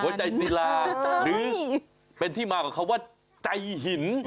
หัวใจศีลาหรือเป็นที่มากว่าใจหิน